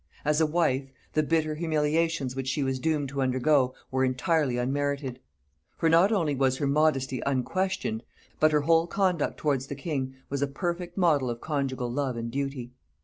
As a wife, the bitter humiliations which she was doomed to undergo were entirely unmerited; for not only was her modesty unquestioned, but her whole conduct towards the king was a perfect model of conjugal love and duty.